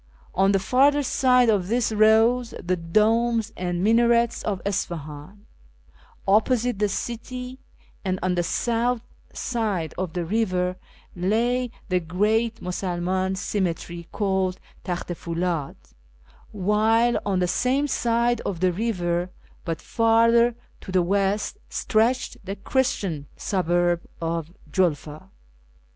On the farther side of this rose the domes and minarets of Isfahan ; opposite the city, and on the south side of the river, lay the great Musul man cemetery, called Takht i Fuldd ; while on the same side of the river, but farther to the west, stretched the Christian suburb of Julfa.